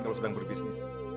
kalau sedang berbisnis